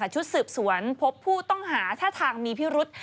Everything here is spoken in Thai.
ชุดสืบสวนพบผู้ต้องหาท่าทางมีพิรุษ